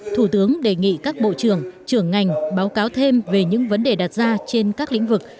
thủ tướng đề nghị các bộ trưởng trưởng ngành báo cáo thêm về những vấn đề đặt ra trên các lĩnh vực